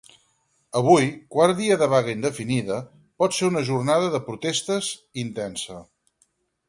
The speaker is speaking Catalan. Avui, quart dia de vaga indefinida, pot ser una jornada de protestes intensa.